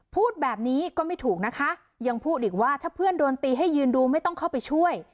พูดแบบนี้ก็ไม่ถูกนะคะยังพูดอีกว่าถ้าเพื่อนโดนตีให้ยืนดูไม่ต้องเข้าไปช่วย